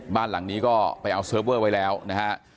บ้านหลังนี้ก็ไปเอาเซิร์ฟเวอร์ไว้แล้วนะฮะ